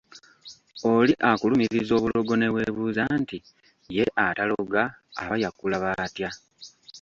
Oli akulumiriza obulogo ne weebuuza nti ye ataloga aba yakulaba atya.